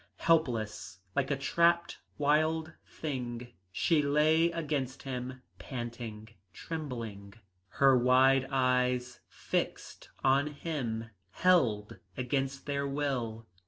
Helpless, like a trapped wild thing, she lay against him, panting, trembling, her wide eyes fixed on him, held against their will.